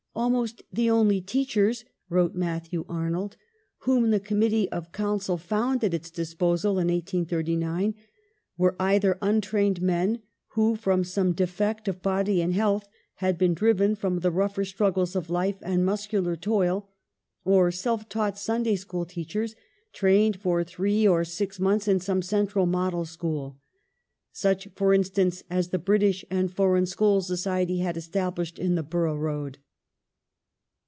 " Almost the only teachers," wrote Matthew Arnold, " whom the Committee of Council found at its disposal in 1839, were ' either untrained men who, from some defect of body and health, had been driven from the rougher struggles of life and muscular toil ; or self taught Sunday school teachers trained for three or six months in some central model school,' such, for instance, as the British and Foreign School Society had established in the Borough Road.